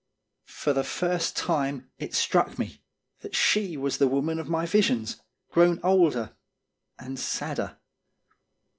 For the first time it struck me that she was the woman of my visions, grown older and sadder.